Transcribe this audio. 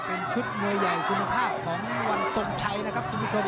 เป็นชุดมวยใหญ่คุณภาพของวันทรงชัยนะครับคุณผู้ชม